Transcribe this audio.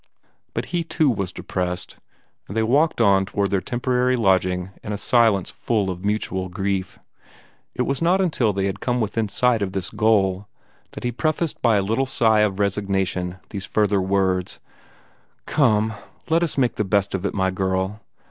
But he too was depressed, and they walked on toward their temporary lodging in a silence full of mutual grief. It was not until they had come within sight of this goal that he prefaced by a little sigh of resignation these further words, "Come let us make the best of it, my girl!